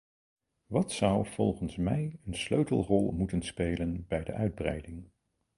Wat zou volgens mij een sleutelrol moeten spelen bij de uitbreiding?